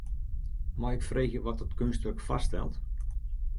Mei ik freegje wat dat keunstwurk foarstelt?